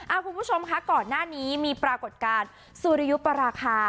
คุณผู้ชมคะก่อนหน้านี้มีปรากฏการณ์สุริยุปราคา